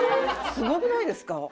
すごくないですか？